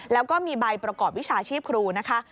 แล้วก็มีใบประกอบวิชาชีพครูนะคะ